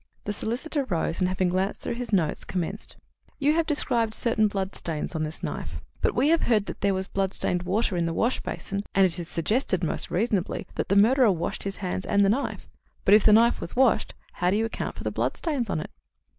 The solicitor rose, and, having glanced through his notes, commenced: "You have described certain blood stains on this knife. But we have heard that there was blood stained water in the wash hand basin, and it is suggested, most reasonably, that the murderer washed his hands and the knife. But if the knife was washed, how do you account for the bloodstains on it?"